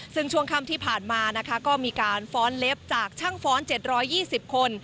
ซึ่งช่วงค่ำที่ผ่านมานะคะก็มีการฟ้อนเล็บจากช่างฟ้อน๗๒๐คน